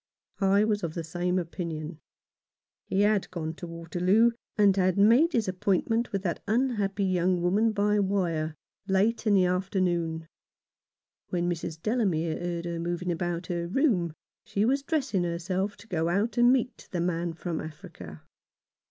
I was of the same opinion. He had gone on to Waterloo, and had made his appoint ment with that unhappy young woman by wire, late in the afternoon. When Mrs. Delamere heard her moving about her room she was dressing her self to go out and meet the man from Africa.